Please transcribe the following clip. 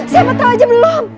siapa tau aja belum